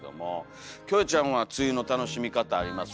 キョエちゃんは梅雨の楽しみ方ありますか？